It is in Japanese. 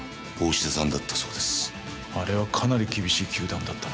あれはかなり厳しい糾弾だったな。